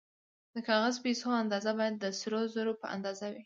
د کاغذي پیسو اندازه باید د سرو زرو په اندازه وي